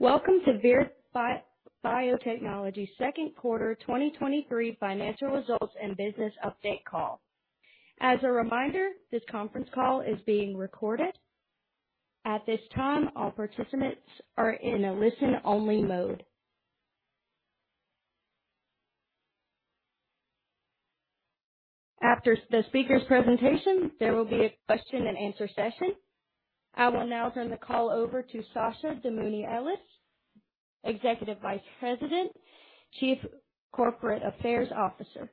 Hello, welcome to Vir Biotechnology's second quarter 2023 financial results and business update call. As a reminder, this conference call is being recorded. At this time, all participants are in a listen-only mode. After the speaker's presentation, there will be a question and answer session. I will now turn the call over to Sasha Damouni Ellis, Executive Vice President, Chief Corporate Affairs Officer.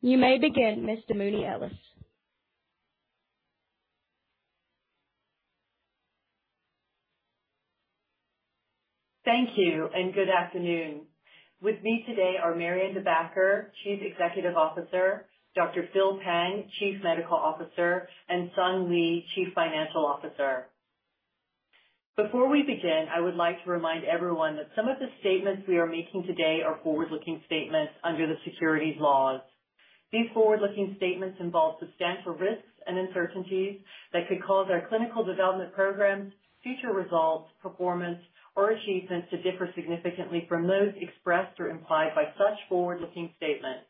You may begin, Ms. Damouni Ellis. Thank you. Good afternoon. With me today are Marianne De Backer, Chief Executive Officer, Dr. Phil Pang, Chief Medical Officer, and Sung Lee, Chief Financial Officer. Before we begin, I would like to remind everyone that some of the statements we are making today are forward-looking statements under the securities laws. These forward-looking statements involve substantial risks and uncertainties that could cause our clinical development programs, future results, performance, or achievements to differ significantly from those expressed or implied by such forward-looking statements.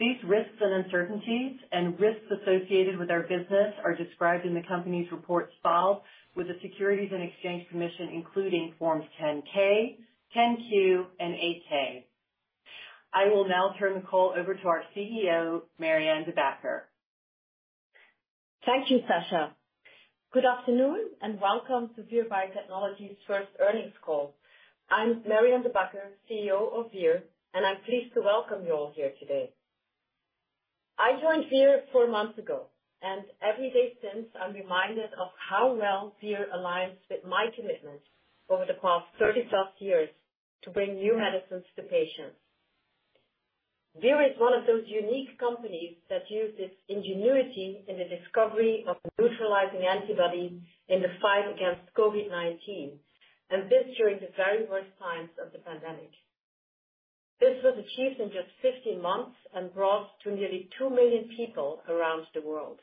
These risks and uncertainties and risks associated with our business are described in the company's reports filed with the Securities and Exchange Commission, including Forms 10-K, 10-Q, and 8-K. I will now turn the call over to our CEO, Marianne De Backer. Thank you, Sasha. Good afternoon, and welcome to Vir Biotechnology's first earnings call. I'm Marianne De Backer, CEO of Vir, and I'm pleased to welcome you all here today. I joined Vir four months ago, and every day since, I'm reminded of how well Vir aligns with my commitment over the past 30-plus years to bring new medicines to patients. Vir is one of those unique companies that used its ingenuity in the discovery of a neutralizing antibody in the fight against COVID-19, and this during the very worst times of the pandemic. This was achieved in just 15 months and brought to nearly 2 million people around the world.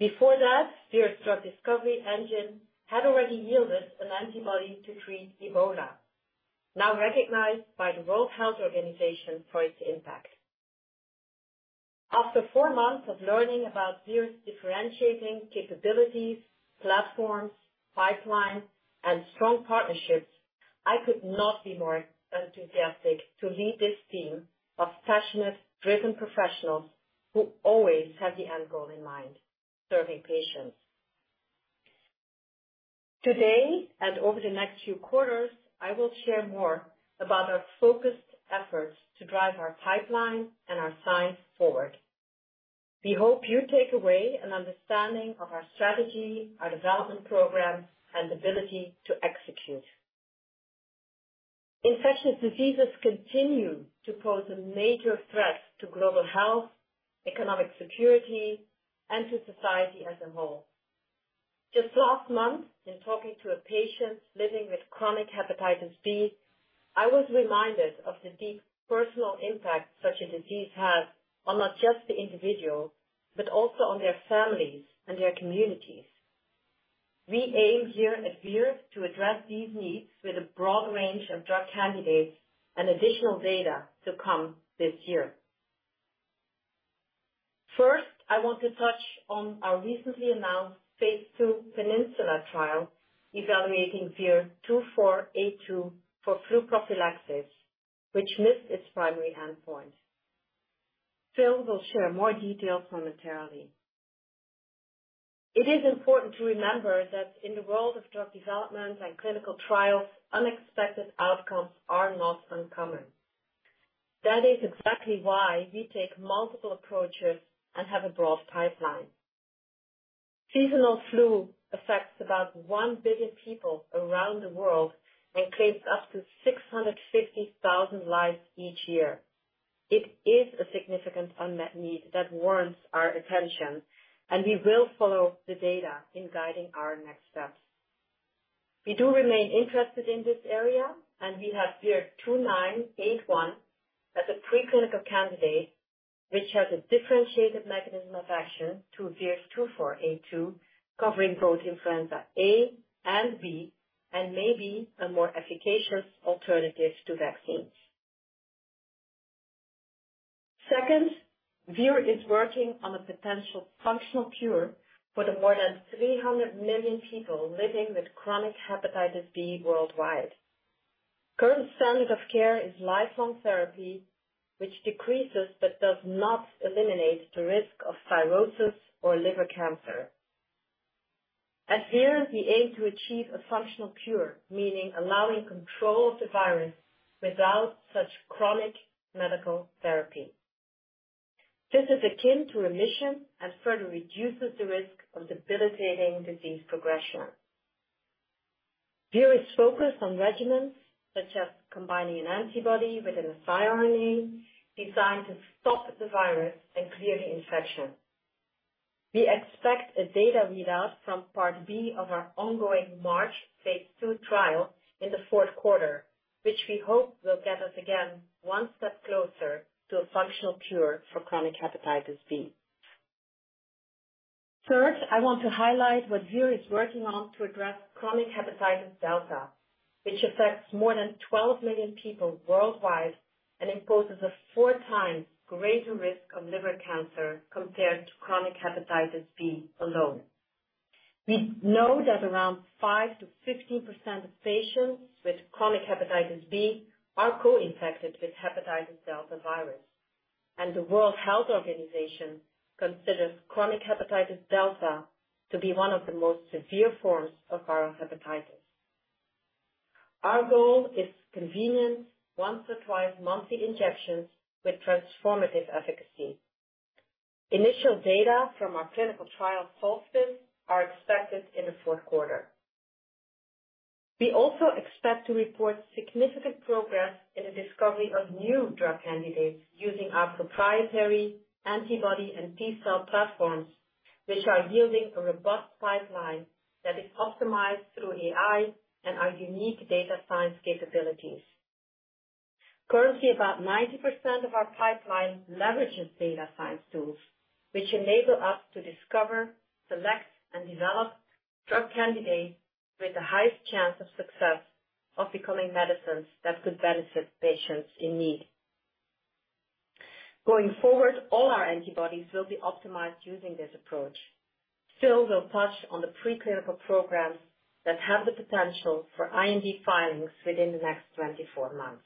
Before that, Vir's drug discovery engine had already yielded an antibody to treat Ebola, now recognized by the World Health Organization for its impact. After four months of learning about Vir's differentiating capabilities, platforms, pipeline, and strong partnerships, I could not be more enthusiastic to lead this team of passionate, driven professionals who always have the end goal in mind: serving patients. Today, over the next few quarters, I will share more about our focused efforts to drive our pipeline and our science forward. We hope you take away an understanding of our strategy, our development programs, and ability to execute. Infectious diseases continue to pose a major threat to global health, economic security, and to society as a whole. Just last month, in talking to a patient living with chronic hepatitis B, I was reminded of the deep personal impact such a disease has on not just the individual, but also on their families and their communities. We aim here at Vir to address these needs with a broad range of drug candidates and additional data to come this year. First, I want to touch on our recently announced phase II PENINSULA trial, evaluating VIR-2482 for flu prophylaxis, which missed its primary endpoint. Phil will share more details momentarily. It is important to remember that in the world of drug development and clinical trials, unexpected outcomes are not uncommon. That is exactly why we take multiple approaches and have a broad pipeline. Seasonal flu affects about 1 billion people around the world and claims up to 650,000 lives each year. It is a significant unmet need that warrants our attention, and we will follow the data in guiding our next steps. We do remain interested in this area. We have VIR-2981 as a preclinical candidate, which has a differentiated mechanism of action to VIR-2482, covering both influenza A and B, and may be a more efficacious alternative to vaccines. Second, Vir is working on a potential functional cure for the more than 300 million people living with chronic hepatitis B worldwide. Current standard of care is lifelong therapy, which decreases but does not eliminate the risk of cirrhosis or liver cancer. At Vir, we aim to achieve a functional cure, meaning allowing control of the virus without such chronic medical therapy. This is akin to remission and further reduces the risk of debilitating disease progression. Vir is focused on regimens such as combining an antibody with an siRNA designed to stop the virus and clear the infection. We expect a data readout from part B of our ongoing MARCH phase II trial in the fourth quarter, which we hope will get us again, one step closer to a functional cure for chronic hepatitis B. First, I want to highlight what Vir is working on to address chronic hepatitis delta, which affects more than 12 million people worldwide and imposes a 4x greater risk of liver cancer compared to chronic hepatitis B alone. We know that around 5%-15% of patients with chronic hepatitis B are co-infected with hepatitis delta virus. The World Health Organization considers chronic hepatitis delta to be one of the most severe forms of viral hepatitis. Our goal is convenient, once or twice monthly injections with transformative efficacy. Initial data from our clinical trial, SOLSTICE, are expected in the fourth quarter. We also expect to report significant progress in the discovery of new drug candidates using our proprietary antibody and T-cell platforms, which are yielding a robust pipeline that is optimized through AI and our unique data science capabilities. Currently, about 90% of our pipeline leverages data science tools, which enable us to discover, select, and develop drug candidates with the highest chance of success of becoming medicines that could benefit patients in need. Going forward, all our antibodies will be optimized using this approach. Phil will touch on the preclinical programs that have the potential for IND filings within the next 24 months.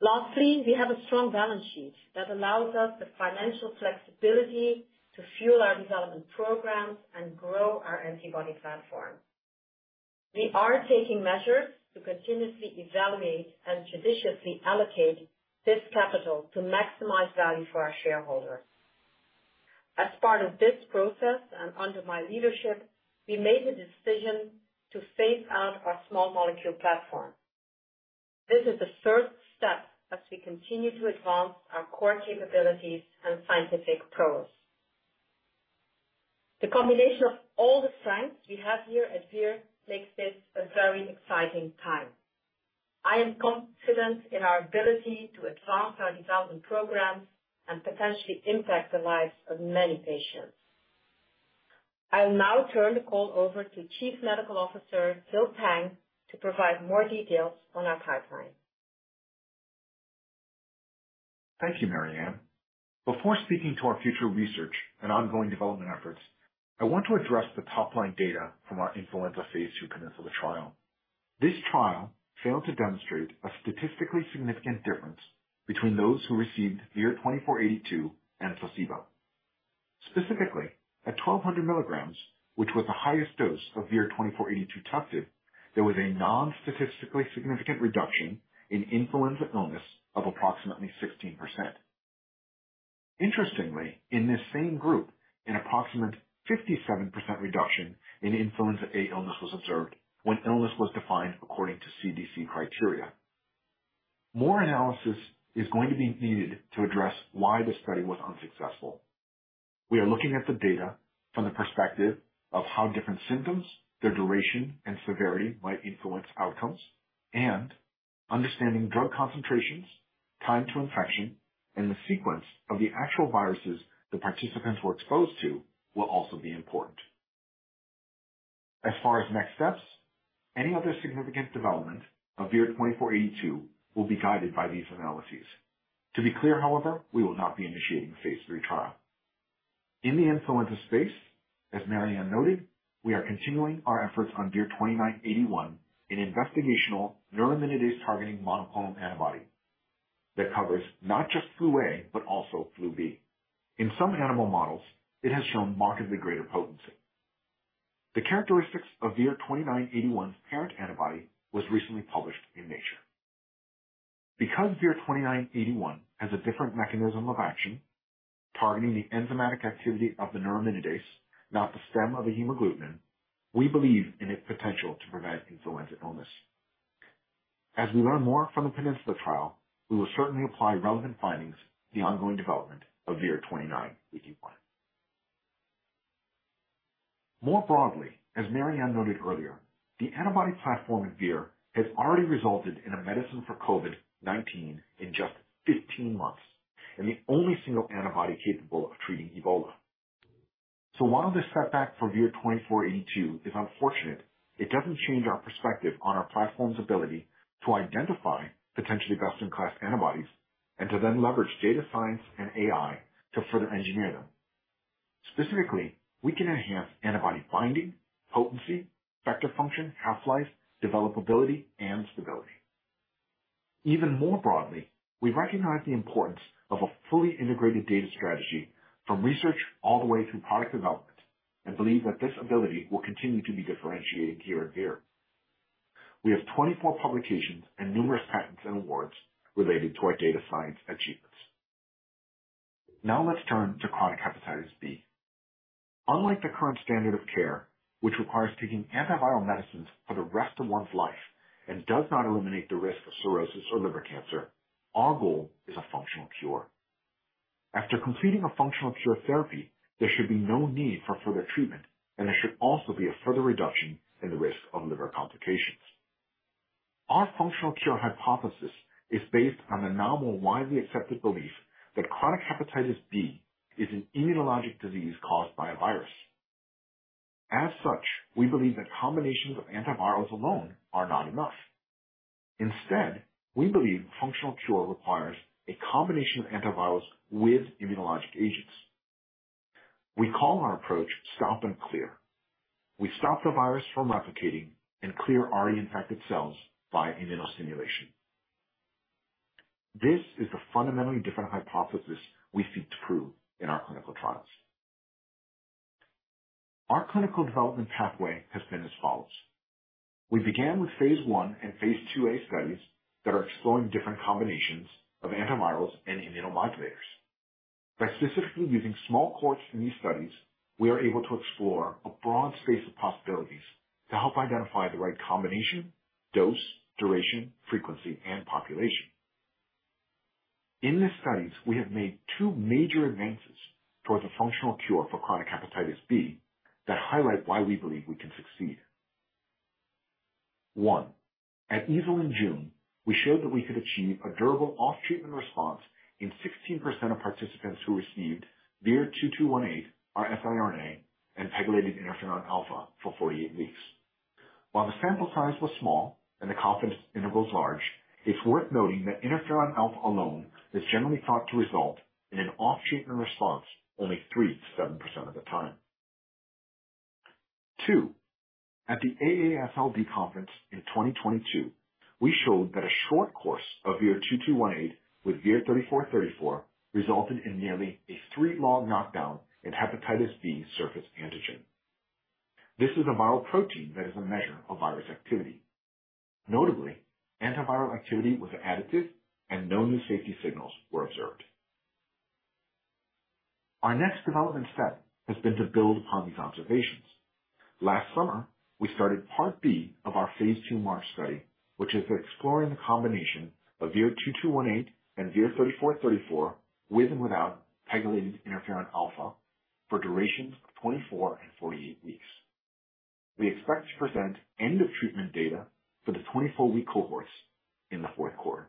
Lastly, we have a strong balance sheet that allows us the financial flexibility to fuel our development programs and grow our antibody platform. We are taking measures to continuously evaluate and judiciously allocate this capital to maximize value for our shareholders. As part of this process, and under my leadership, we made the decision to phase out our small molecule platform. This is the third step as we continue to advance our core capabilities and scientific prowess. The combination of all the strengths we have here at Vir makes this a very exciting time. I am confident in our ability to advance our development programs and potentially impact the lives of many patients. I'll now turn the call over to Chief Medical Officer, Phil Pang, to provide more details on our pipeline. Thank you, Marianne. Before speaking to our future research and ongoing development efforts, I want to address the top-line data from our influenza phase II PENINSULA trial. This trial failed to demonstrate a statistically significant difference between those who received VIR-2482 and placebo. Specifically, at 1,200 milligrams, which was the highest dose of VIR-2482 TUCtive, there was a non-statistically significant reduction in influenza illness of approximately 16%. Interestingly, in this same group, an approximate 57% reduction in influenza A illness was observed when illness was defined according to CDC criteria. More analysis is going to be needed to address why the study was unsuccessful. We are looking at the data from the perspective of how different symptoms, their duration, and severity might influence outcomes, and understanding drug concentrations, time to infection, and the sequence of the actual viruses the participants were exposed to will also be important. As far as next steps, any other significant development of VIR-2482 will be guided by these analyses. To be clear, however, we will not be initiating a phase III trial. In the influenza space, as Maryanne noted, we are continuing our efforts on VIR-2981, an investigational neuraminidase targeting monoclonal antibody that covers not just flu A, but also flu B. In some animal models, it has shown markedly greater potency. The characteristics of VIR-2981's parent antibody was recently published in Nature. Because VIR-2981 has a different mechanism of action, targeting the enzymatic activity of the neuraminidase, not the stem of a hemagglutinin, we believe in its potential to prevent influenza illness. As we learn more from the PENINSULA trial, we will certainly apply relevant findings to the ongoing development of VIR-2981. More broadly, as Maryanne noted earlier, the antibody platform of Vir has already resulted in a medicine for COVID-19 in just 15 months, and the only single antibody capable of treating Ebola. While this setback for VIR-2482 is unfortunate, it doesn't change our perspective on our platform's ability to identify potentially best-in-class antibodies and to then leverage data science and AI to further engineer them. Specifically, we can enhance antibody binding, potency, vector function, half-life, developability, and stability. Even more broadly, we recognize the importance of a fully integrated data strategy from research all the way through product development, and believe that this ability will continue to be differentiated here at Vir. We have 24 publications and numerous patents and awards related to our data science achievements. Now let's turn to chronic hepatitis B. Unlike the current standard of care, which requires taking antiviral medicines for the rest of one's life and does not eliminate the risk of cirrhosis or liver cancer, our goal is a functional cure. After completing a functional cure therapy, there should be no need for further treatment, and there should also be a further reduction in the risk of liver complications. Our functional cure hypothesis is based on the now more widely accepted belief that chronic hepatitis B is an immunologic disease caused by a virus. As such, we believe that combinations of antivirals alone are not enough. Instead, we believe functional cure requires a combination of antivirals with immunologic agents. We call our approach stop and clear. We stop the virus from replicating and clear already infected cells by immunostimulation. This is a fundamentally different hypothesis we seek to prove in our clinical trials. Our clinical development pathway has been as follows: We began with phase I and phase IIa studies that are exploring different combinations of antivirals and immunomodulators. By specifically using small cohorts in these studies, we are able to explore a broad space of possibilities to help identify the right combination, dose, duration, frequency, and population. In these studies, we have made two major advances towards a functional cure for chronic hepatitis B that highlight why we believe we can succeed. One, at EASL in June, we showed that we could achieve a durable off-treatment response in 16% of participants who received VIR-2218, our siRNA, and pegylated interferon alfa for 48 weeks. While the sample size was small and the confidence intervals large, it's worth noting that interferon alfa alone is generally thought to result in an off-treatment response only 3%-7% of the time. Two, at the AASLD conference in 2022, we showed that a short course of VIR-2218 with VIR-3434 resulted in nearly a 3-log knockdown in hepatitis B surface antigen. This is a viral protein that is a measure of virus activity. Notably, antiviral activity was additive and no new safety signals were observed. Our next development step has been to build upon these observations. Last summer, we started part B of our Phase 2 MARCH study, which is exploring the combination of VIR-2218 and VIR-3434, with and without pegylated interferon alfa, for durations of 24 and 48 weeks. We expect to present end of treatment data for the 24-week cohorts in the fourth quarter.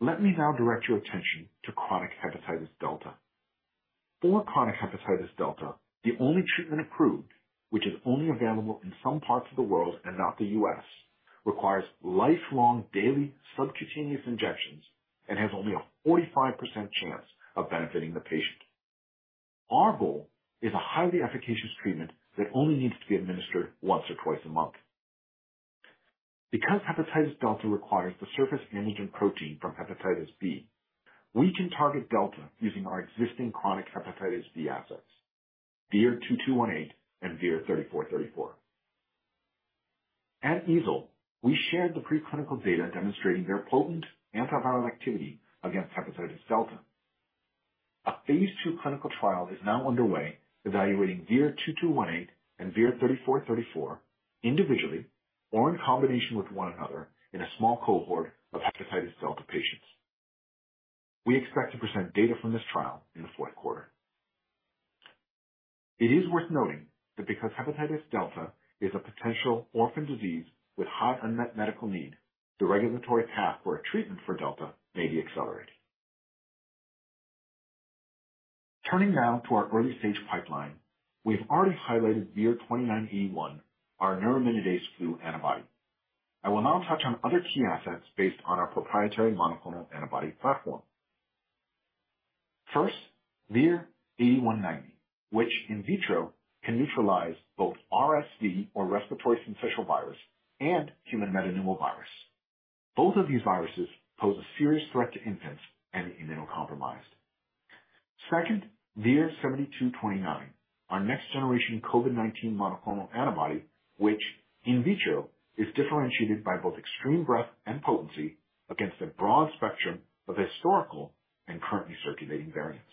Let me now direct your attention to chronic hepatitis delta. For chronic hepatitis delta, the only treatment approved, which is only available in some parts of the world and not the U.S., requires lifelong daily subcutaneous injections and has only a 45% chance of benefiting the patient. Our goal is a highly efficacious treatment that only needs to be administered once or twice a month. Because hepatitis delta requires the surface antigen protein from hepatitis B, we can target delta using our existing chronic hepatitis B assets, VIR-2218 and VIR-3434. At EASL, we shared the preclinical data demonstrating their potent antiviral activity against hepatitis delta. A phase 2 clinical trial is now underway, evaluating VIR-2218 and VIR-3434, individually or in combination with one another in a small cohort of hepatitis delta patients. We expect to present data from this trial in the fourth quarter. It is worth noting that because hepatitis delta is a potential orphan disease with high unmet medical need, the regulatory path for a treatment for delta may be accelerated. Turning now to our early stage pipeline. We've already highlighted VIR-2981, our neuraminidase flu antibody. I will now touch on other key assets based on our proprietary monoclonal antibody platform. First, VIR-190, which in vitro, can neutralize both RSV or respiratory syncytial virus and human metapneumovirus. Both of these viruses pose a serious threat to infants and the immunocompromised. Second, VIR-7229, our next generation COVID-19 monoclonal antibody, which in vitro, is differentiated by both extreme breadth and potency against a broad spectrum of historical and currently circulating variants.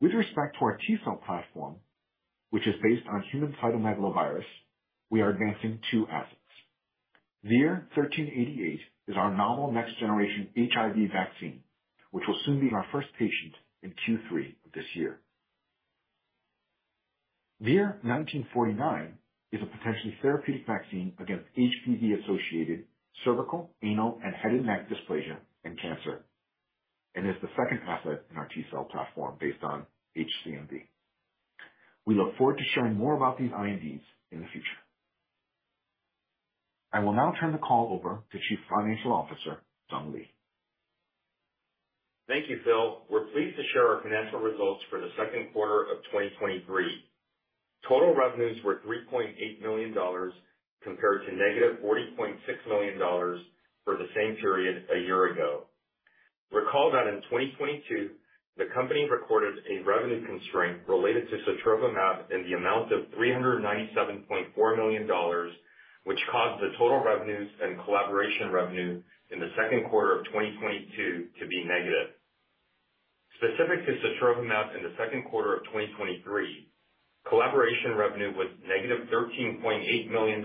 With respect to our T-cell platform, which is based on human cytomegalovirus, we are advancing 2 assets. VIR-1388 is our novel next generation HIV vaccine, which will soon be in our first patient in Q3 of this year. VIR-1949 is a potentially therapeutic vaccine against HPV-associated cervical, anal, and head and neck dysplasia and cancer, and is the second asset in our T cell platform based on HCMV. We look forward to sharing more about these INDs in the future. I will now turn the call over to Chief Financial Officer, Sung Lee. Thank you, Phil. We're pleased to share our financial results for the second quarter of 2023. Total revenues were $3.8 million compared to negative $40.6 million for the same period a year ago. Recall that in 2022, the company recorded a revenue constraint related to sotrovimab in the amount of $397.4 million, which caused the total revenues and collaboration revenue in the second quarter of 2022 to be negative. Specific to sotrovimab in the second quarter of 2023, collaboration revenue was negative $13.8 million.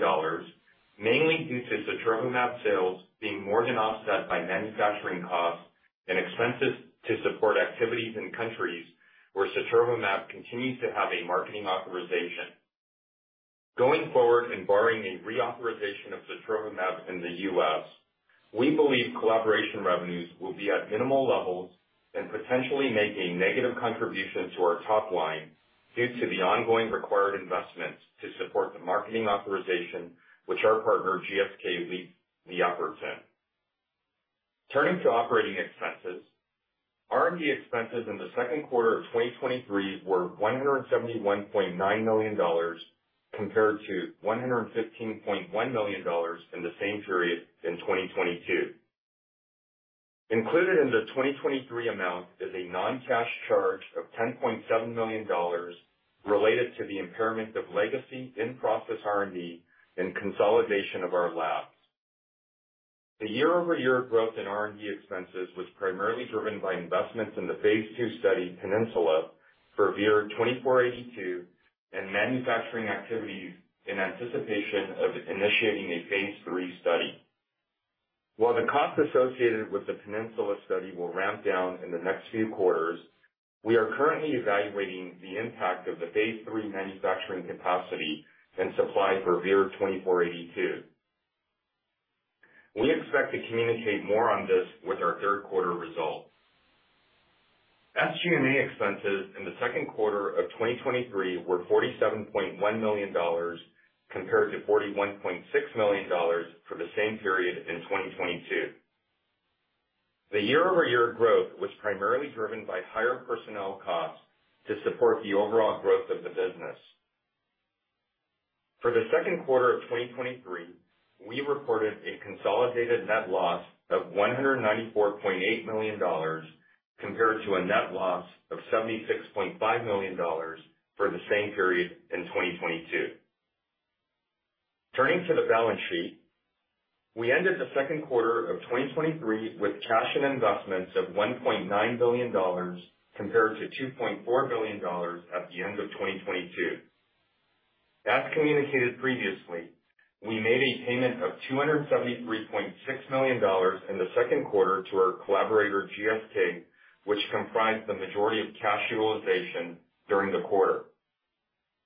mainly due to sotrovimab sales being more than offset by manufacturing costs and expenses to support activities in countries where sotrovimab continues to have a marketing authorization. Going forward, and barring a reauthorization of sotrovimab in the US, we believe collaboration revenues will be at minimal levels and potentially make a negative contribution to our top line due to the ongoing required investments to support the marketing authorization, which our partner, GSK, leads the efforts in. Turning to operating expenses, R&D expenses in the second quarter of 2023 were $171.9 million, compared to $115.1 million in the same period in 2022. Included in the 2023 amount is a non-cash charge of $10.7 million related to the impairment of legacy in-process R&D and consolidation of our labs. The year-over-year growth in R&D expenses was primarily driven by investments in the phase II study, PENINSULA, for VIR-2482 and manufacturing activities in anticipation of initiating a phase III study. While the costs associated with the PENINSULA study will ramp down in the next few quarters, we are currently evaluating the impact of the phase III manufacturing capacity and supply for VIR-2482. We expect to communicate more on this with our third quarter results. SG&A expenses in the second quarter of 2023 were $47.1 million, compared to $41.6 million for the same period in 2022. The year-over-year growth was primarily driven by higher personnel costs to support the overall growth of the business. For the second quarter of 2023, we reported a consolidated net loss of $194.8 million, compared to a net loss of $76.5 million for the same period in 2022. Turning to the balance sheet. We ended the second quarter of 2023 with cash and investments of $1.9 billion, compared to $2.4 billion at the end of 2022. As communicated previously, we made a payment of $273.6 million in the second quarter to our collaborator, GSK, which comprised the majority of cash utilization during the quarter.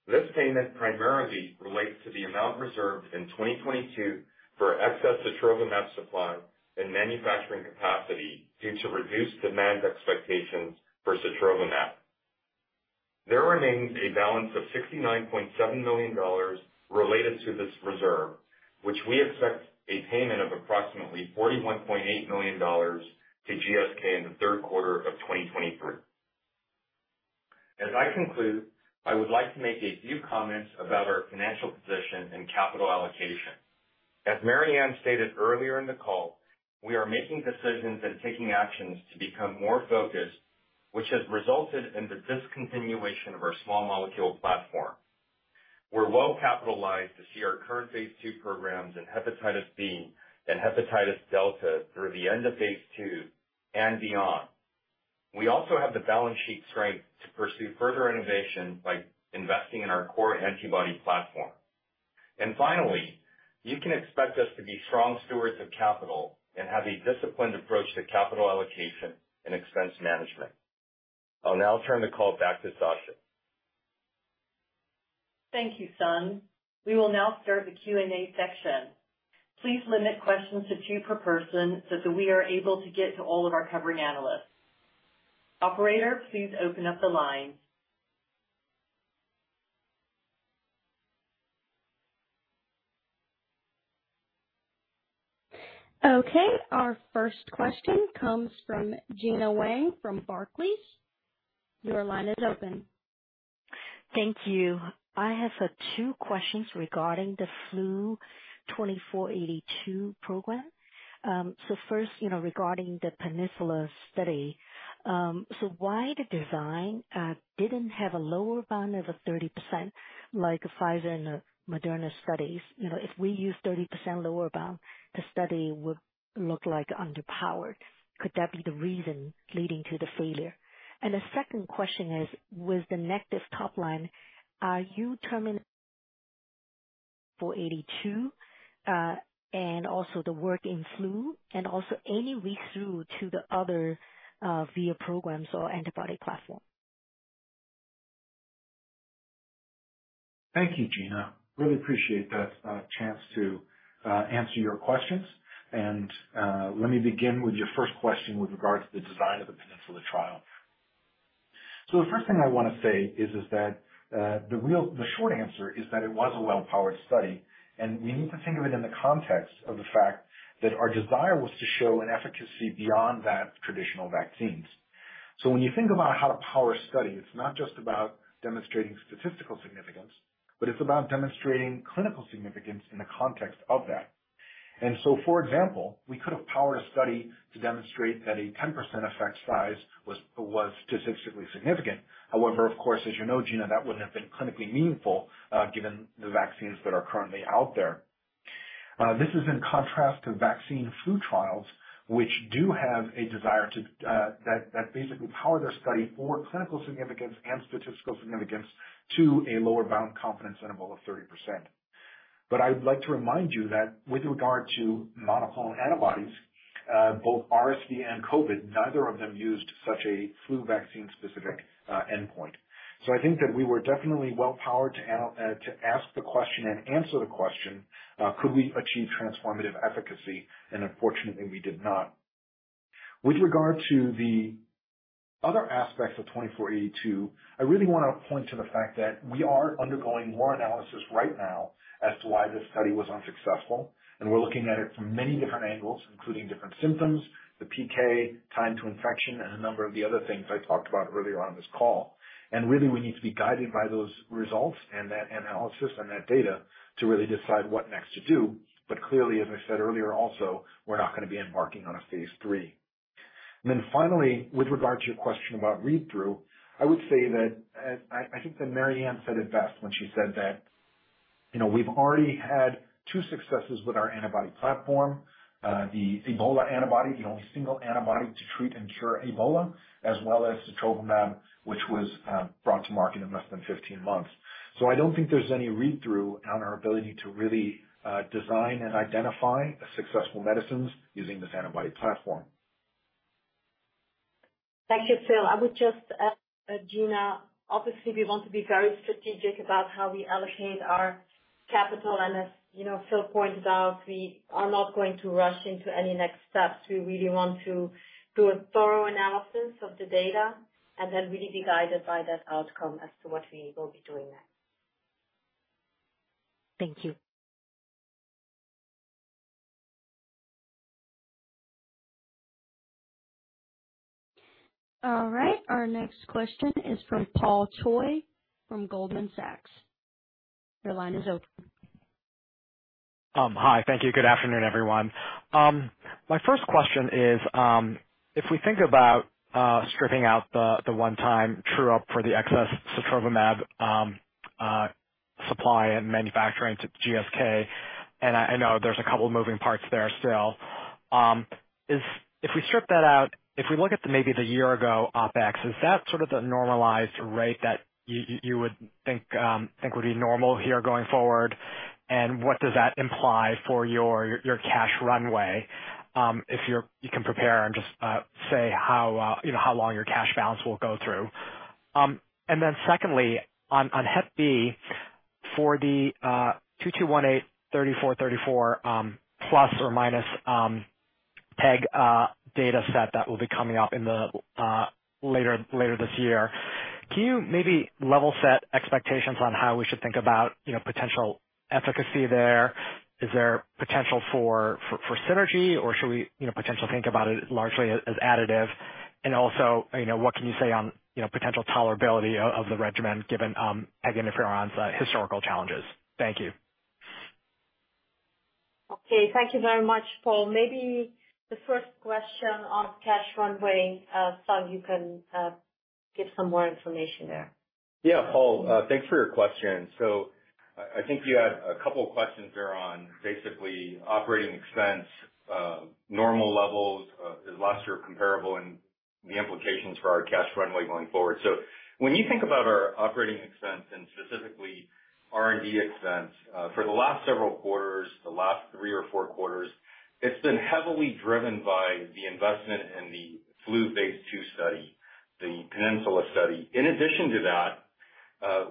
This payment primarily relates to the amount reserved in 2022 for excess sotrovimab supply and manufacturing capacity due to reduced demand expectations for sotrovimab. There remains a balance of $69.7 million related to this reserve, which we expect a payment of approximately $41.8 million to GSK in the third quarter of 2023. As I conclude, I would like to make a few comments about our financial position and capital allocation. As Marianne stated earlier in the call, we are making decisions and taking actions to become more focused, which has resulted in the discontinuation of our small molecule platform. We're well capitalized to see our current phase II programs in hepatitis B and hepatitis delta through the end of phase II and beyond. We also have the balance sheet strength to pursue further innovation by investing in our core antibody platform. Finally, you can expect us to be strong stewards of capital and have a disciplined approach to capital allocation and expense management. I'll now turn the call back to Sasha. Thank you, Sung. We will now start the Q&A section. Please limit questions to two per person, so that we are able to get to all of our covering analysts. Operator, please open up the line. Our first question comes from Gena Wang, from Barclays. Your line is open. Thank you. I have two questions regarding the flu VIR-2482 program. First, you know, regarding the PENINSULA study, why the design didn't have a lower bound of a 30%, like Pfizer and Moderna studies? You know, if we use 30% lower bound, the study would look like underpowered. Could that be the reason leading to the failure? The second question is: With the negative top line, are you terminating VIR-2482, and also the work in flu and also any through to the other Vir programs or antibody platform? Thank you, Gena. Really appreciate the chance to answer your questions. Let me begin with your first question with regards to the design of the PENINSULA trial. The first thing I want to say is, is that the real- the short answer is that it was a well-powered study, and we need to think of it in the context of the fact that our desire was to show an efficacy beyond that of traditional vaccines. When you think about how to power a study, it's not just about demonstrating statistical significance, but it's about demonstrating clinical significance in the context of that. For example, we could have powered a study to demonstrate that a 10% effect size was, was statistically significant. However, of course, as you know, Gena, that wouldn't have been clinically meaningful, given the vaccines that are currently out there. This is in contrast to vaccine flu trials, which do have a desire to, that basically power their study for clinical significance and statistical significance to a lower bound confidence interval of 30%. I would like to remind you that with regard to monoclonal antibodies, both RSV and COVID, neither of them used such a flu vaccine-specific endpoint. I think that we were definitely well powered to ask the question and answer the question, could we achieve transformative efficacy? Unfortunately, we did not. With regard to the other aspects of VIR-2482, I really want to point to the fact that we are undergoing more analysis right now as to why this study was unsuccessful. We're looking at it from many different angles, including different symptoms, the PK, time to infection, and a number of the other things I talked about earlier on this call. Really, we need to be guided by those results and that analysis and that data to really decide what next to do. Clearly, as I said earlier also, we're not going to be embarking on a phase III. Then finally, with regard to your question about read-through, I would say that as I think that Marianne said it best when she said that, you know, we've already had two successes with our antibody platform. The Ebola antibody, the only single antibody to treat and cure Ebola, as well as sotrovimab, which was brought to market in less than 15 months. I don't think there's any read-through on our ability to really design and identify successful medicines using this antibody platform. Thank you, Phil. I would just add, Gena, obviously, we want to be very strategic about how we allocate our capital. As you know, Phil pointed out, we are not going to rush into any next steps. We really want to do a thorough analysis of the data and then really be guided by that outcome as to what we will be doing next. Thank you. All right. Our next question is from Paul Choi from Goldman Sachs. Your line is open. Hi. Thank you. Good afternoon, everyone. My first question is, if we think about stripping out the 1-time true-up for the excess sotrovimab supply and manufacturing to GSK. I know there's a couple of moving parts there still. If we strip that out, if we look at the maybe the year-ago OpEx, is that sort of the normalized rate that you, you, you would think, think would be normal here going forward? What does that imply for your, your cash runway? If you're, you can prepare and just say how, you know, how long your cash balance will go through. Then secondly, on, on hepatitis B, for the VIR-2218 VIR-3434, plus or minus PEG, data set that will be coming up in the later, later this year. Can you maybe level set expectations on how we should think about, you know, potential efficacy there? Is there potential for, for, for synergy, or should we, you know, potentially think about it largely as, as additive? And also, you know, what can you say on, you know, potential tolerability of, of the regimen given peg interferon's historical challenges? Thank you. Okay. Thank you very much, Paul. Maybe the first question on cash runway, Sung, you can give some more information there. Yeah, Paul, thanks for your question. I, I think you had a couple of questions there on basically operating expense, normal levels, last year comparable and the implications for our cash runway going forward. When you think about our operating expense and specifically R&D expense, for the last several quarters, the last three or foup quarters, it's been heavily driven by the investment in the flu phase II study, the PENINSULA study. In addition to that,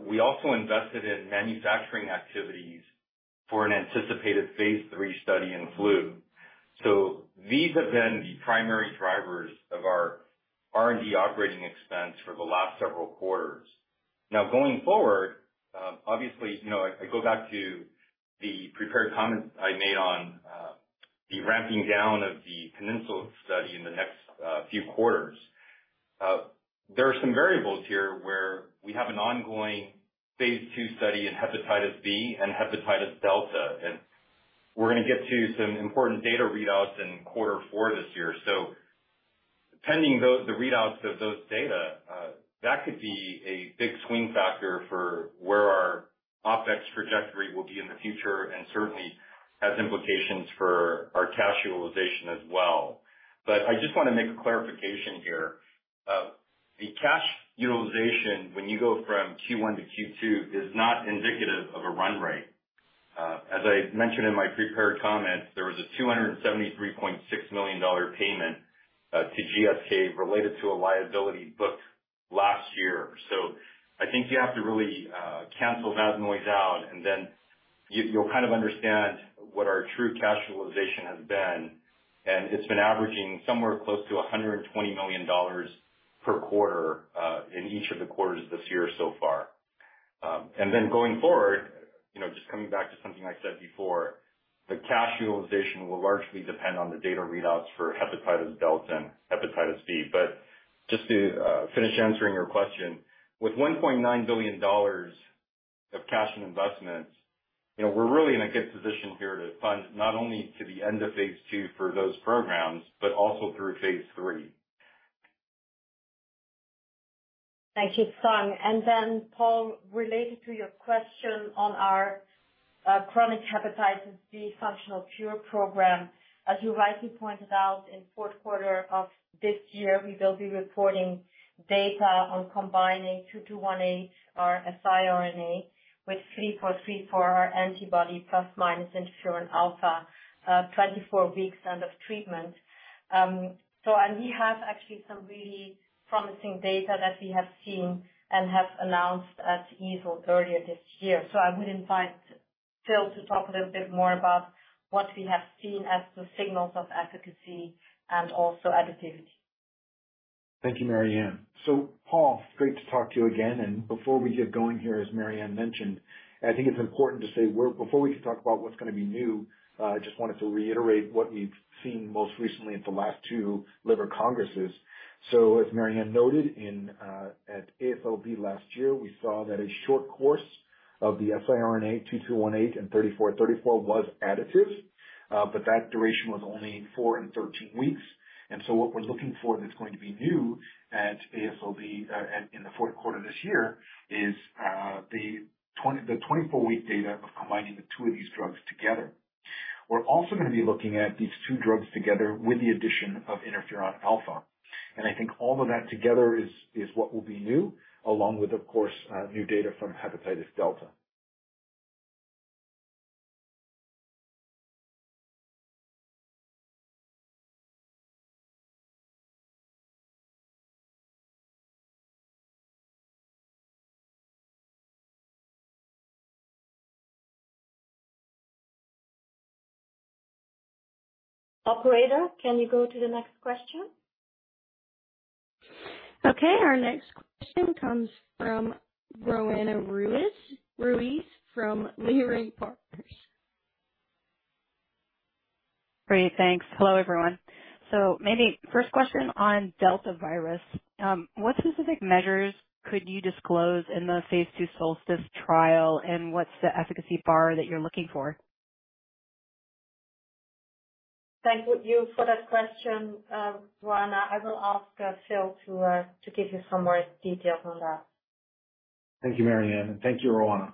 we also invested in manufacturing activities for an anticipated phase III study in flu. These have been the primary drivers of our R&D operating expense for the last several quarters. Going forward, obviously, you know, if I go back to the prepared comments I made on the ramping down of the PENINSULA study in the next few quarters, there are some variables here where we have an ongoing phase II study in hepatitis B and hepatitis delta. We're going to get to some important data readouts in quarter four this year. Pending the readouts of those data, that could be a big swing factor for where our OpEx trajectory will be in the future and certainly has implications for our cash utilization as well. I just want to make a clarification here. The cash utilization, when you go from Q1 to Q2, is not indicative of a run rate. As I mentioned in my prepared comments, there was a $273.6 million payment to GSK related to a liability booked last year. I think you have to really cancel that noise out, and then you, you'll kind of understand what our true cash utilization has been. It's been averaging somewhere close to $120 million per quarter in each of the quarters this year so far. Then going forward, you know, just coming back to something I said before, the cash utilization will largely depend on the data readouts for hepatitis delta and hepatitis B. Just to finish answering your question, with $1.9 billion of cash and investments, you know, we're really in a good position here to fund not only to the end of phase II for those programs, but also through phase III. Thank you, Sung. Paul, related to your question on our chronic hepatitis B functional cure program. As you rightly pointed out, in fourth quarter of this year, we will be reporting data on combining VIR-2218, our siRNA, with VIR-3434, our antibody, plus minus interferon alfa, 24 weeks end of treatment. We have actually some really promising data that we have seen and have announced at EASL earlier this year. I would invite Phil to talk a little bit more about what we have seen as the signals of efficacy and also additivity. Thank you, Marianne. Paul, great to talk to you again. Before we get going here, as Marianne mentioned, I think it's important to say before we can talk about what's going to be new, I just wanted to reiterate what we've seen most recently at the last two liver congresses. As Marianne noted in, at AASLD last year, we saw that a short course of the siRNA 2218 and 3434 was additive, but that duration was only four and 13 weeks. What we're looking for, that's going to be new at AASLD, in the fourth quarter this year, is the 24 week data of combining the two of these drugs together. We're also going to be looking at these two drugs together with the addition of interferon alpha. I think all of that together is, is what will be new, along with, of course, new data from hepatitis delta. Operator, can you go to the next question? Okay, our next question comes from Roanna Ruiz, Ruiz from Leerink Partners. Great, thanks. Hello, everyone. Maybe first question on delta virus. What specific measures could you disclose in the phase II SOLSTICE trial, and what's the efficacy bar that you're looking for? Thank you for that question, Roanna. I will ask Phil to give you some more details on that. Thank you, Marianne, and thank you, Roanna.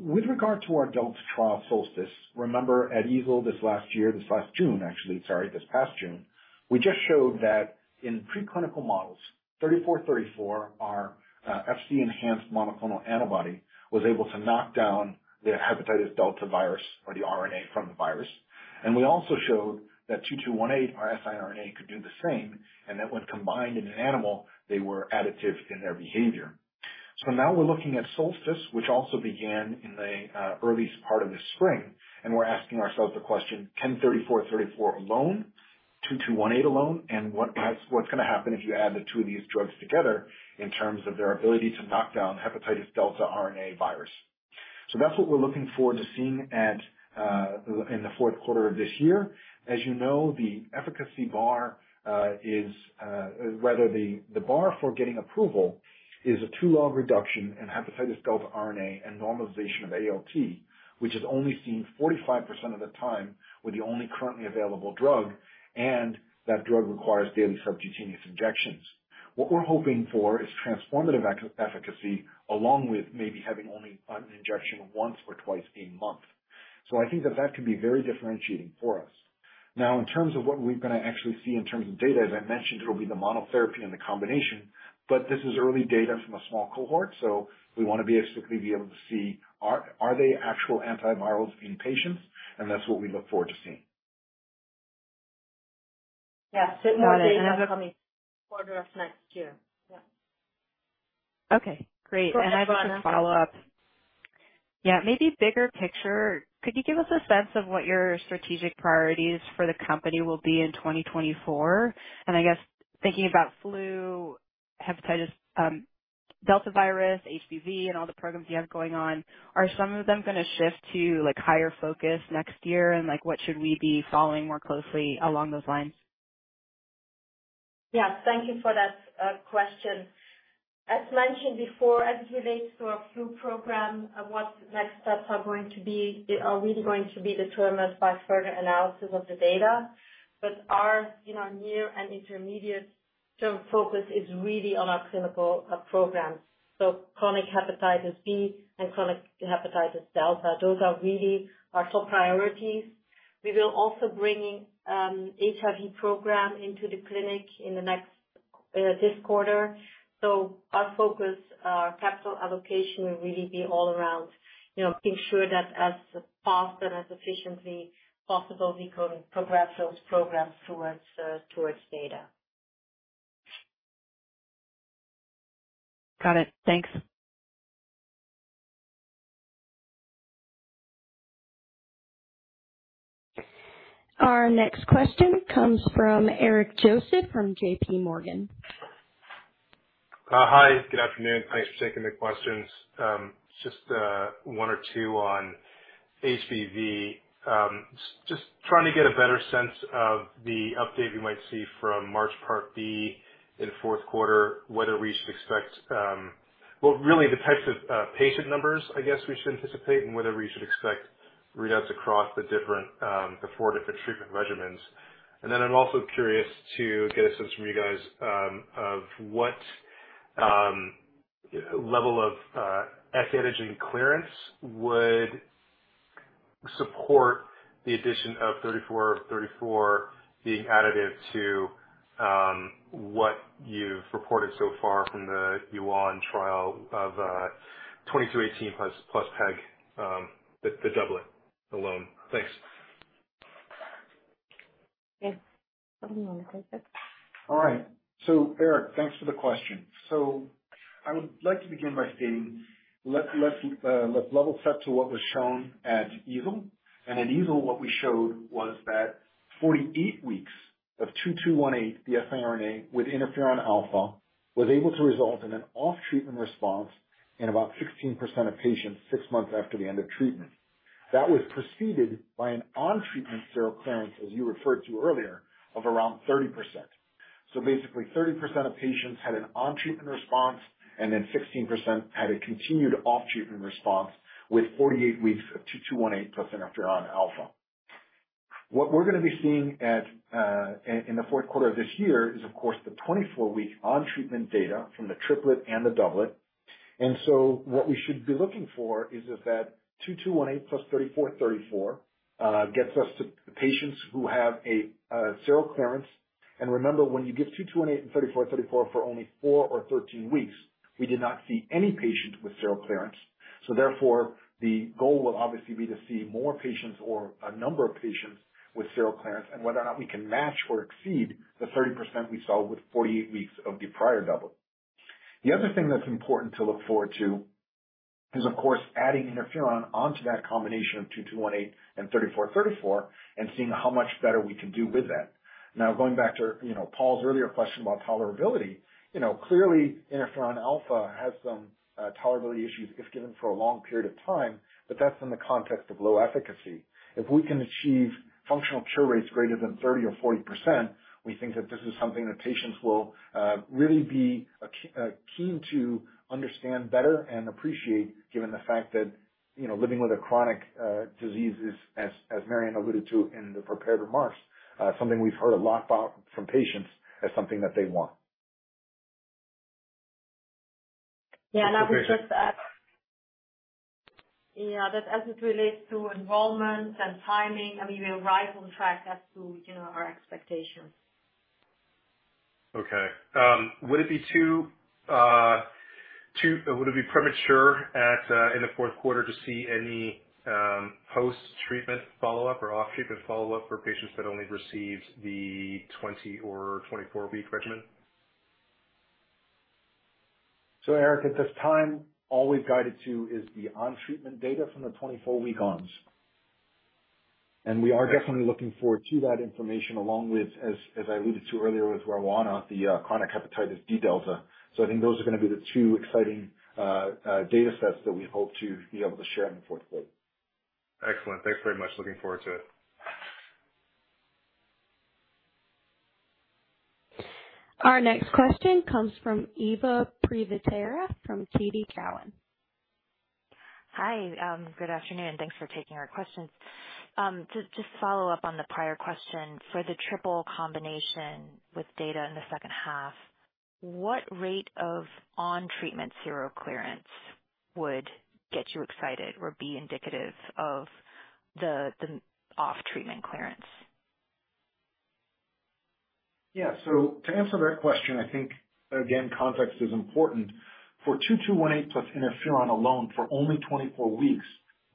With regard to our hepatitis delta trial, SOLSTICE, remember at EASL this last year, this last June, actually, sorry, this past June, we just showed that in preclinical models, VIR-3434, our Fc-enhanced monoclonal antibody, was able to knock down the hepatitis delta virus or the RNA from the virus. We also showed that VIR-2218, our siRNA, could do the same, and that when combined in an animal, they were additive in their behavior. Now we're looking at SOLSTICE, which also began in the earliest part of the spring, and we're asking ourselves the question: Can VIR-3434 alone, VIR-2218 alone, and what's going to happen if you add the two of these drugs together in terms of their ability to knock down hepatitis delta RNA virus? That's what we're looking forward to seeing at in the fourth quarter of this year. As you know, the efficacy bar is rather the bar for getting approval is a two-log reduction in hepatitis Delta RNA and normalization of ALT, which is only seen 45% of the time with the only currently available drug, and that drug requires daily subcutaneous injections. What we're hoping for is transformative efficacy, along with maybe having only an injection once or twice a month. I think that that could be very differentiating for us. Now, in terms of what we're going to actually see in terms of data, as I mentioned, it'll be the monotherapy and the combination, but this is early data from a small cohort, we want to be able to quickly be able to see are they actual antivirals in patients? That's what we look forward to seeing. Yes, more data coming quarter of next year. Yeah. Okay, great. Go ahead, Roanna. I just want to follow up. Yeah, maybe bigger picture, could you give us a sense of what your strategic priorities for the company will be in 2024? I guess thinking about flu, hepatitis, delta virus, HBV, and all the programs you have going on, are some of them going to shift to, like, higher focus next year? Like, what should we be following more closely along those lines? Yeah, thank you for that question. As mentioned before, as it relates to our flu program, what next steps are going to be, are really going to be determined by further analysis of the data. Our, you know, near and intermediate-term focus is really on our clinical programs, so chronic hepatitis B and chronic hepatitis delta. Those are really our top priorities. We will also bring HIV program into the clinic in the next this quarter. Our focus, our capital allocation will really be all around, you know, making sure that as fast and as efficiently possible, we can progress those programs towards towards data. Got it. Thanks. Our next question comes from Eric Joseph, from J.P. Morgan. Hi, good afternoon. Thanks for taking the questions. Just one or two on HBV. Just trying to get a better sense of the update we might see from MARCH Part B in the fourth quarter, whether we should expect, well, really, the types of patient numbers, I guess, we should anticipate and whether we should expect readouts across the different, the four different treatment regimens. I'm also curious to get a sense from you guys of what level of HBeAg clearance would support the addition of 34, 34 being additive to-... what you've reported so far from the Yuan trial of 2218 plus, plus PEG, the, the doublet alone. Thanks. All right. Eric, thanks for the question. I would like to begin by saying, let's level set to what was shown at EASL. At EASL, what we showed was that 48 weeks of VIR-2218, the siRNA with interferon alfa, was able to result in an off-treatment response in about 16% of patients, six months after the end of treatment. That was preceded by an on-treatment seroclearance, as you referred to earlier, of around 30%. Basically, 30% of patients had an on-treatment response, and then 16% had a continued off-treatment response with 48 weeks of VIR-2218 plus interferon alfa. What we're going to be seeing at in the fourth quarter of this year is, of course, the 24-week on treatment data from the triplet and the doublet. What we should be looking for is if that VIR-2218 plus VIR-3434 gets us to the patients who have a seroclearance. Remember, when you give VIR-2218 and VIR-3434 for only 4 or 13 weeks, we did not see any patient with seroclearance. Therefore, the goal will obviously be to see more patients or a number of patients with seroclearance and whether or not we can match or exceed the 30% we saw with 48 weeks of the prior doublet. The other thing that's important to look forward to is, of course, adding interferon onto that combination of VIR-2218 and VIR-3434, and seeing how much better we can do with that. Going back to, you know, Paul's earlier question about tolerability, you know, clearly interferon alpha has some tolerability issues if given for a long period of time, but that's in the context of low efficacy. If we can achieve functional cure rates greater than 30% or 40%, we think that this is something that patients will really be keen to understand better and appreciate, given the fact that, you know, living with a chronic disease is, as Marianne alluded to in the prepared remarks, something we've heard a lot about from patients as something that they want. I would just add. Yeah, that as it relates to enrollment and timing, I mean, we're right on track as to, you know, our expectations. Okay. Would it be too, would it be premature at, in the fourth quarter to see any, post-treatment follow-up or off-treatment follow-up for patients that only received the 20 or 24 week regimen? Eric, at this time, all we've guided to is the on-treatment data from the 24 week ons. We are definitely looking forward to that information, along with, as, as I alluded to earlier, with Roanna, the chronic hepatitis delta. I think those are going to be the two exciting data sets that we hope to be able to share in the fourth quarter. Excellent. Thanks very much. Looking forward to it. Our next question comes from Eva Privitera from TD Cowen. Hi. Good afternoon. Thanks for taking our questions. Just to follow up on the prior question, for the triple combination with data in the second half, what rate of on-treatment seroclearance would get you excited or be indicative of the, the off-treatment clearance? Yeah. To answer that question, I think, again, context is important. For VIR-2218 plus interferon alone for only 24 weeks,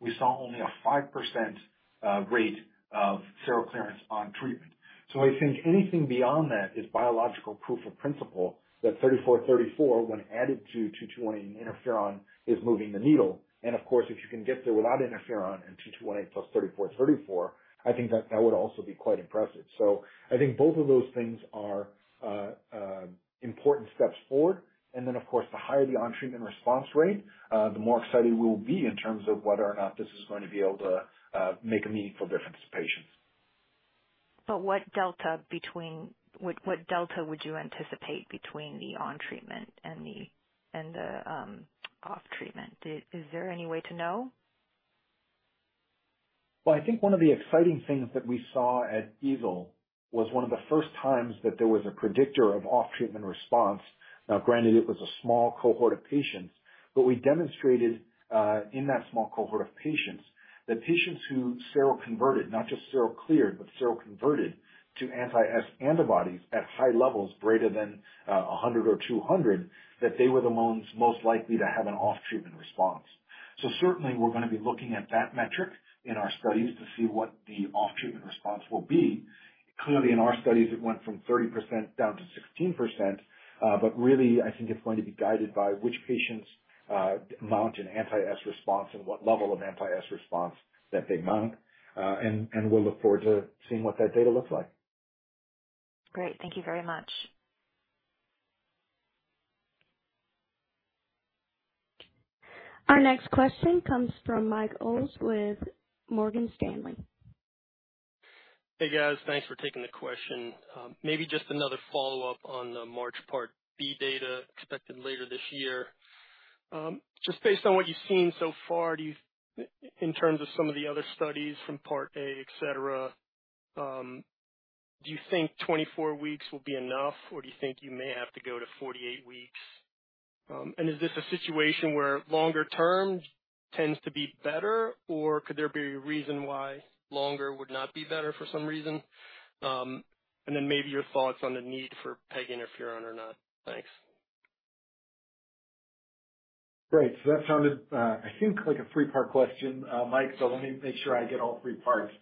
we saw only a 5% rate of seroclearance on treatment. I think anything beyond that is biological proof of principle that VIR-3434, when added to VIR-2218 interferon, is moving the needle. Of course, if you can get there without interferon and VIR-2218 plus VIR-3434, I think that that would also be quite impressive. I think both of those things are important steps forward. Of course, the higher the on-treatment response rate, the more excited we will be in terms of whether or not this is going to be able to make a meaningful difference to patients. What delta between... what delta would you anticipate between the on treatment and the, and the off treatment? Is there any way to know? I think one of the exciting things that we saw at EASL was one of the first times that there was a predictor of off-treatment response. Now, granted, it was a small cohort of patients, but we demonstrated in that small cohort of patients, that patients who seroconverted, not just serocleared, but seroconverted to anti-HBs antibodies at high levels greater than 100 or 200, that they were the ones most likely to have an off-treatment response. Certainly we're going to be looking at that metric in our studies to see what the off-treatment response will be. Clearly, in our studies, it went from 30% down to 16%, really, I think it's going to be guided by which patients mount an anti-S response and what level of anti-S response that they mount. We'll look forward to seeing what that data looks like. Great. Thank you very much. Our next question comes from Mike Ulz with Morgan Stanley. Hey, guys. Thanks for taking the question. Maybe just another follow-up on the MARCH Part B data expected later this year. Just based on what you've seen so far, do you, in terms of some of the other studies from Part A, et cetera, do you think 24 weeks will be enough, or do you think you may have to go to 48 weeks? Is this a situation where longer term tends to be better, or could there be a reason why longer would not be better for some reason? Maybe your thoughts on the need for peg interferon or not. Thanks. Great. That sounded, I think like a three-part question, Mike, so let me make sure I get all three parts.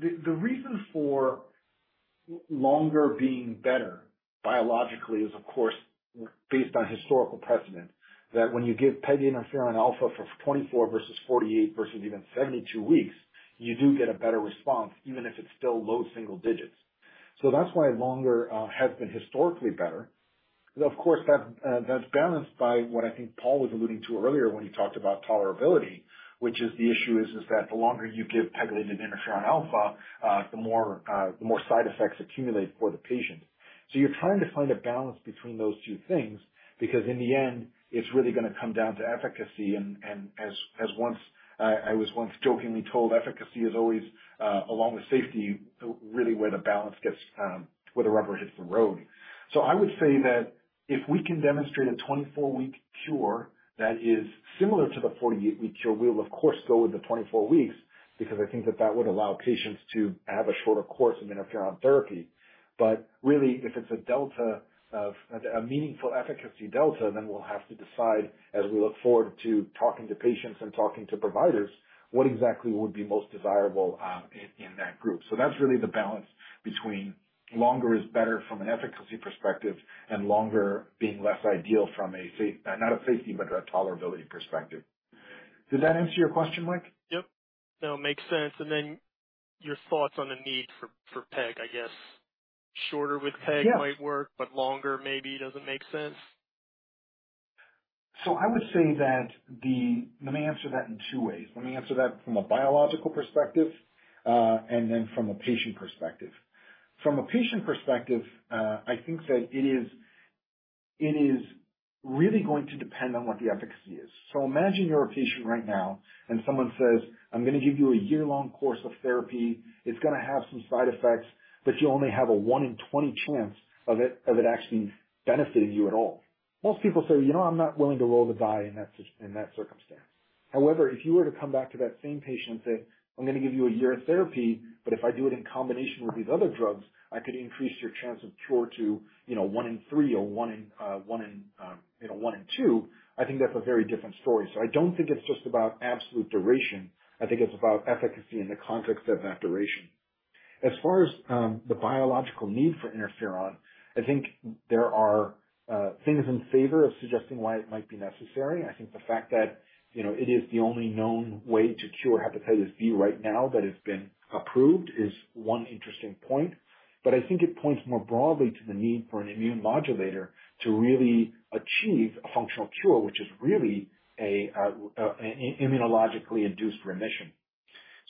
The reason for longer being better biologically is, of course, based on historical precedent, that when you give pegylated interferon alfa for 24 versus 48 versus even 72 weeks, you do get a better response, even if it's still low single digits. That's why longer has been historically better, because, of course, that's balanced by what I think Paul was alluding to earlier when he talked about tolerability, which is the issue, is that the longer you give pegylated interferon alfa, the more side effects accumulate for the patient. You're trying to find a balance between those two things, because in the end, it's really going to come down to efficacy. As once, I was once jokingly told, efficacy is always along with safety, really where the balance gets where the rubber hits the road. I would say that if we can demonstrate a 24-week cure that is similar to the 48-week cure, we'll of course go with the 24 weeks, because I think that that would allow patients to have a shorter course of interferon therapy. Really, if it's a meaningful efficacy delta, then we'll have to decide as we look forward to talking to patients and talking to providers, what exactly would be most desirable in that group. That's really the balance between longer is better from an efficacy perspective and longer being less ideal from a safe- not a safety, but a tolerability perspective. Does that answer your question, Mike? Yep. No, it makes sense. Your thoughts on the need for, for peg, I guess, shorter with peg. Might work, but longer maybe doesn't make sense? Let me answer that in two ways. Let me answer that from a biological perspective, and then from a patient perspective. From a patient perspective, I think that it is, it is really going to depend on what the efficacy is. Imagine you're a patient right now and someone says, "I'm going to give you a year-long course of therapy. It's going to have some side effects, but you only have a one in 20 chance of it, of it actually benefiting you at all." Most people say, "You know, I'm not willing to roll the die in that circumstance." However, if you were to come back to that same patient and say, "I'm going to give you a year of therapy, but if I do it in combination with these other drugs, I could increase your chance of cure to, you know, one in three or one in, you know, one in two," I think that's a very different story. I don't think it's just about absolute duration. I think it's about efficacy in the context of that duration. As far as the biological need for interferon, I think there are things in favor of suggesting why it might be necessary. I think the fact that, you know, it is the only known way to cure hepatitis B right now, that has been approved is one interesting point. I think it points more broadly to the need for an immune modulator to really achieve a functional cure, which is really a immunologically induced remission.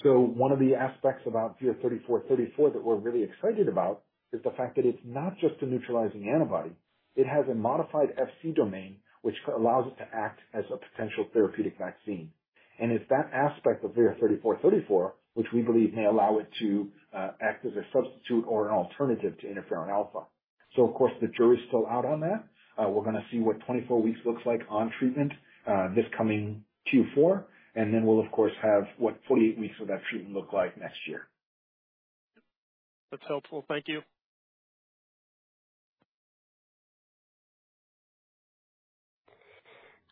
One of the aspects about VIR-3434 that we're really excited about is the fact that it's not just a neutralizing antibody. It has a modified Fc domain, which allows it to act as a potential therapeutic vaccine. It's that aspect of VIR-3434, which we believe may allow it to act as a substitute or an alternative to interferon alfa. Of course, the jury's still out on that. We're going to see what 24 weeks looks like on treatment, this coming Q4. Then we'll of course, have what 48 weeks of that treatment look like next year. That's helpful. Thank you.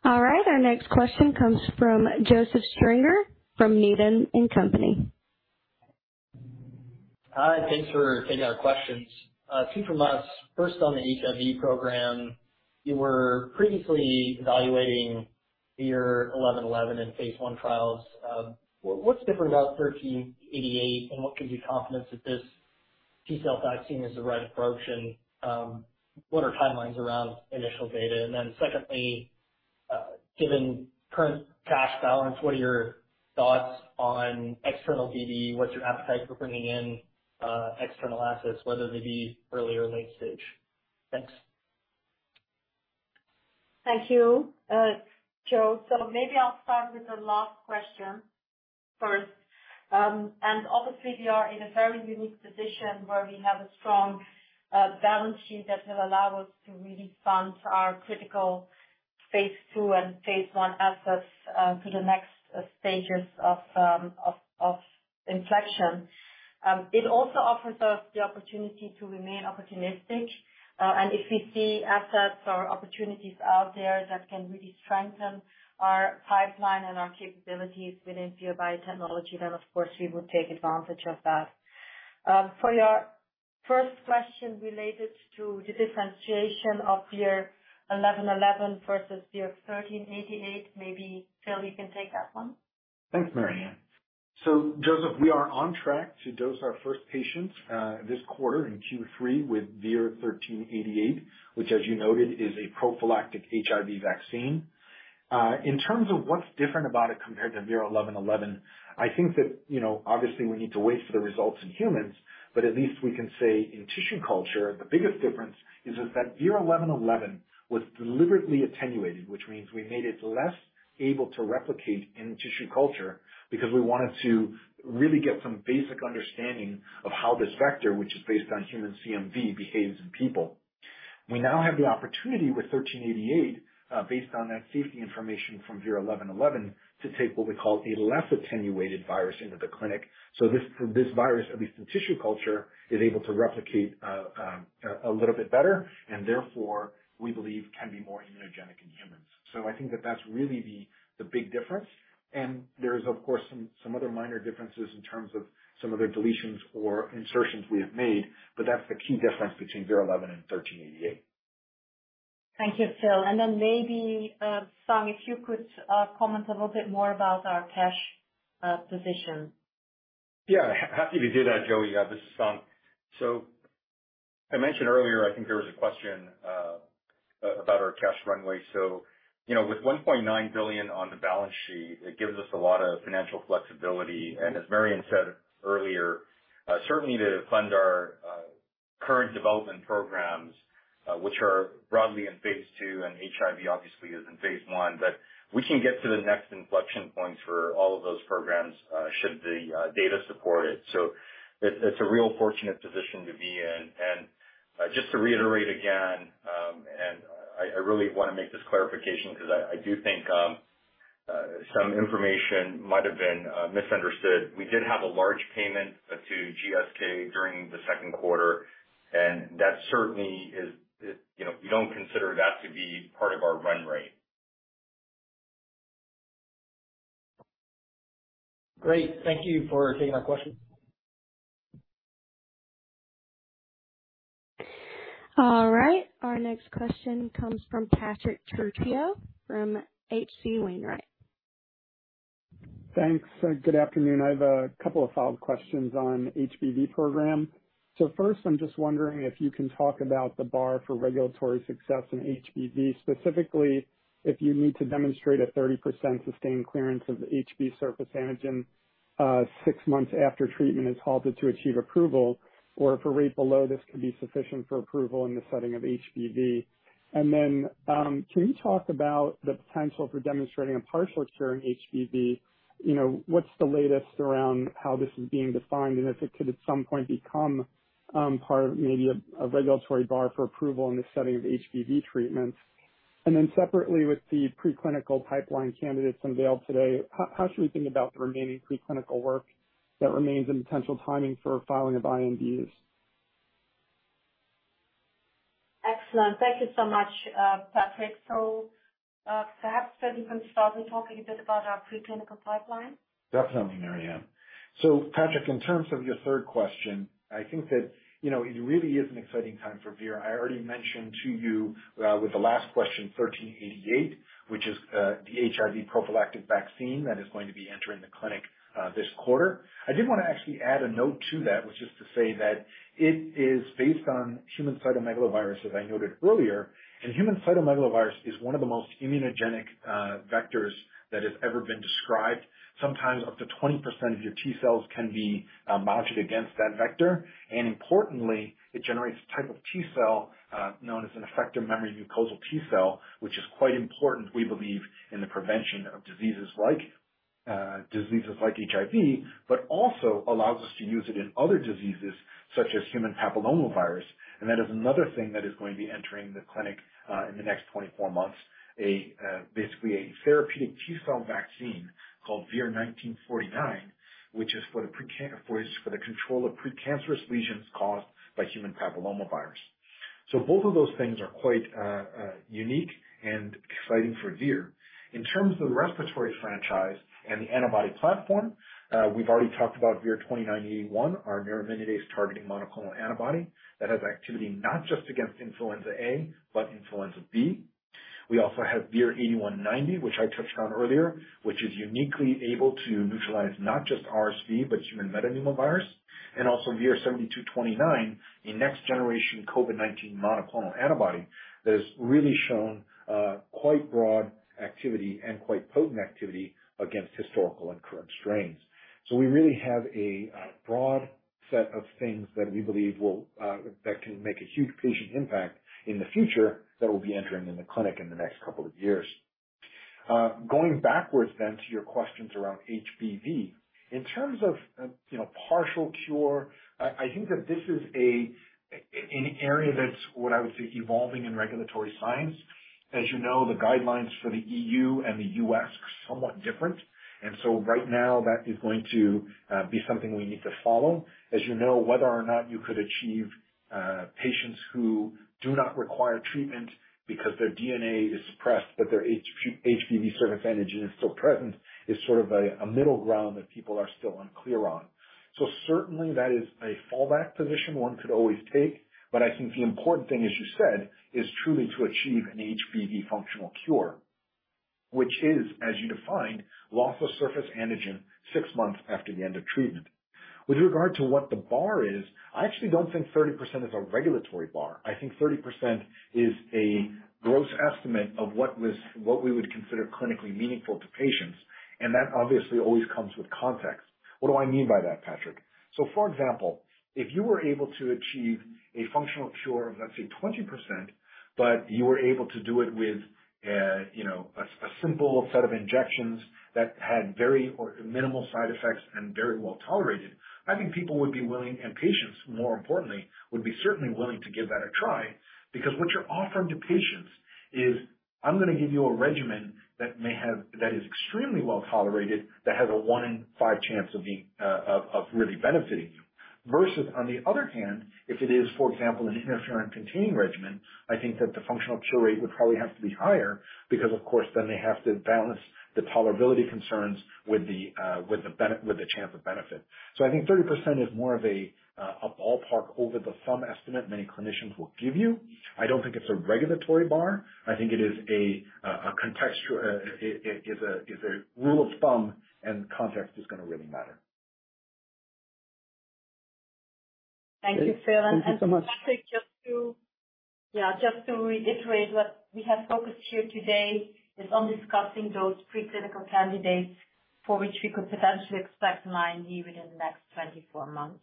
All right. Our next question comes from Joseph Stringer, from Needham & Company. Hi. Thanks for taking our questions. Two from us. First, on the HIV program. You were previously evaluating VIR-1111 in phase I trials. What, what's different about VIR-1388, and what gives you confidence that this T-cell vaccine is the right approach? What are timelines around initial data? Then secondly, given current cash balance, what are your thoughts on external BD? What's your appetite for bringing in external assets, whether they be early or late stage? Thanks. Thank you, Joe. Maybe I'll start with the last question first. Obviously, we are in a very unique position where we have a strong balance sheet that will allow us to really fund our critical phase II and phase I assets to the next stages of inflection. It also offers us the opportunity to remain opportunistic. If we see assets or opportunities out there that can really strengthen our pipeline and our capabilities within Vir Biotechnology, then, of course, we would take advantage of that. For your first question related to the differentiation of VIR-1111 versus VIR-1388, maybe Phil, you can take that one. Thanks, Marianne. Joseph, we are on track to dose our first patients, this quarter in Q3 with VIR-1388, which, as you noted, is a prophylactic HIV vaccine. In terms of what's different about it compared to VIR-1111, I think that, you know, obviously we need to wait for the results in humans, but at least we can say in tissue culture, the biggest difference is, is that VIR-1111 was deliberately attenuated, which means we made it less able to replicate in tissue culture because we wanted to really get some basic understanding of how this vector, which is based on human CMV, behaves in people. We now have the opportunity with 1388, based on that safety information from VIR-1111, to take what we call a less attenuated virus into the clinic. This virus, at least in tissue culture, is able to replicate a little bit better and therefore, we believe can be more immunogenic in humans. I think that that's really the big difference. There is, of course, some other minor differences in terms of some other deletions or insertions we have made, but that's the key difference between VIR-1111 and VIR-1388. Thank you, Phil. Then maybe, Sung, if you could, comment a little bit more about our cash, position. Yeah, happy to do that, Joey. Yeah, this is Sung. I mentioned earlier, I think there was a question about our cash runway. You know, with $1.9 billion on the balance sheet, it gives us a lot of financial flexibility. As Marianne said earlier, certainly to fund our current development programs, which are broadly in phase II, and HIV obviously is in phase I, we can get to the next inflection point for all of those programs, should the data support it. It's a real fortunate position to be in. Just to reiterate again, and I, I really want to make this clarification because I, I do think some information might have been misunderstood. We did have a large payment to GSK during the second quarter, and that certainly is, you know, we don't consider that to be part of our run rate. Great. Thank you for taking my question. All right. Our next question comes from Patrick Trucchio from H.C. Wainwright. Thanks. Good afternoon. I have a couple of follow-up questions on HBV program. First, I'm just wondering if you can talk about the bar for regulatory success in HBV. Specifically, if you need to demonstrate a 30% sustained clearance of HB surface antigen, six months after treatment is halted to achieve approval, or if a rate below this can be sufficient for approval in the setting of HBV. Then, can you talk about the potential for demonstrating a partial cure in HBV? You know, what's the latest around how this is being defined, and if it could, at some point, become part of maybe a regulatory bar for approval in the setting of HBV treatments? Then separately, with the preclinical pipeline candidates unveiled today, how should we think about the remaining preclinical work that remains in potential timing for filing of INDs? Excellent. Thank you so much, Patrick. Perhaps, Phil, you can start with talking a bit about our preclinical pipeline. Definitely, Marianne. Patrick, in terms of your third question, I think that, you know, it really is an exciting time for Vir. I already mentioned to you with the last question, VIR-1388, which is the HIV prophylactic vaccine that is going to be entering the clinic this quarter. I did want to actually add a note to that, which is to say that it is based on human cytomegalovirus, as I noted earlier, and human cytomegalovirus is one of the most immunogenic vectors that has ever been described. Sometimes up to 20% of your T cells can be mounted against that vector. Importantly, it generates a type of T cell known as an effector memory mucosal T cell, which is quite important, we believe, in the prevention of diseases like diseases like HIV, but also allows us to use it in other diseases such as human papillomavirus. That is another thing that is going to be entering the clinic in the next 24 months. A basically a therapeutic T cell vaccine called VIR-1949, which is for the control of precancerous lesions caused by human papillomavirus. Both of those things are quite unique and exciting for Vir. In terms of the respiratory franchise and the antibody platform, we've already talked about VIR-2981, our neuraminidase targeting monoclonal antibody that has activity not just against influenza A, but influenza B. We also have VIR-8190, which I touched on earlier, which is uniquely able to neutralize not just RSV, but human metapneumovirus. Also VIR-7229, a next-generation COVID-19 monoclonal antibody that has really shown, quite broad activity and quite potent activity against historical and current strains. We really have a broad set of things that we believe will that can make a huge patient impact in the future, that will be entering in the clinic in the next couple of years. Going backwards to your questions around HBV. In terms of, you know, partial cure, I, I think that this is an area that's, what I would say, evolving in regulatory science. As you know, the guidelines for the EU and the US are somewhat different. Right now that is going to be something we need to follow. As you know, whether or not you could achieve patients who do not require treatment because their DNA is suppressed, but their HBV surface antigen is still present, is sort of a, a middle ground that people are still unclear on. Certainly that is a fallback position one could always take, but I think the important thing, as you said, is truly to achieve an HBV functional cure, which is, as you defined, loss of surface antigen six months after the end of treatment. With regard to what the bar is, I actually don't think 30% is a regulatory bar. I think 30% is a gross estimate of what was, what we would consider clinically meaningful to patients. That obviously always comes with context. What do I mean by that, Patrick? For example, if you were able to achieve a functional cure of, let's say, 20%, but you were able to do it with, you know, a simple set of injections that had very or minimal side effects and very well tolerated, I think people would be willing, and patients, more importantly, would be certainly willing to give that a try. Because what you're offering to patients is, "I'm gonna give you a regimen that may have-- that is extremely well tolerated, that has a one in five chance of being, of, of really benefiting you." Versus on the other hand, if it is, for example, an interferon-containing regimen, I think that the functional cure rate would probably have to be higher because, of course, then they have to balance the tolerability concerns with the bene- with the chance of benefit. I think 30% is more of a ballpark over the thumb estimate many clinicians will give you. I don't think it's a regulatory bar. I think it is a contextual, it, it is a, is a rule of thumb, and context is gonna really matter. Thank you, Phil. Thank you so much. Patrick, just to reiterate, what we have focused here today is on discussing those preclinical candidates for which we could potentially expect an IND within the next 24 months.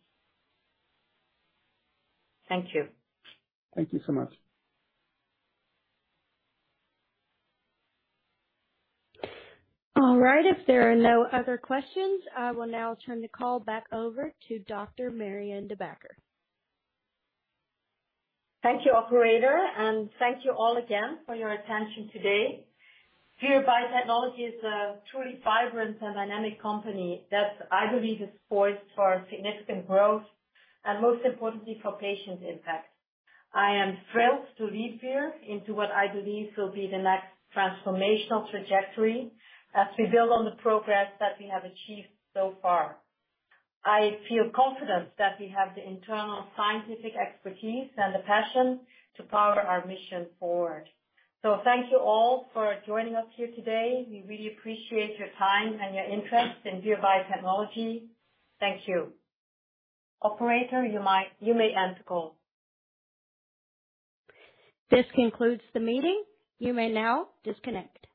Thank you. Thank you so much. All right. If there are no other questions, I will now turn the call back over to Dr. Marianne De Backer. Thank you, Operator, thank you all again for your attention today. Vir Biotechnology is a truly vibrant and dynamic company that I believe is poised for significant growth and, most importantly, for patient impact. I am thrilled to lead here into what I believe will be the next transformational trajectory as we build on the progress that we have achieved so far. I feel confident that we have the internal scientific expertise and the passion to power our mission forward. Thank you all for joining us here today. We really appreciate your time and your interest in Vir Biotechnology. Thank you. Operator, you may end the call. This concludes the meeting. You may now disconnect.